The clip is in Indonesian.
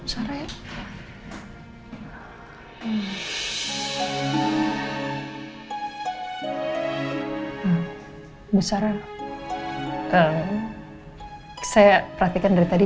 saya perhatikan dari tadi